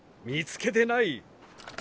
見つけてない。